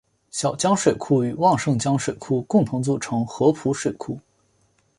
小江水库与旺盛江水库共同组成合浦水库。